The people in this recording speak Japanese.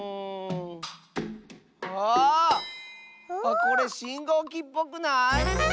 これしんごうきっぽくない？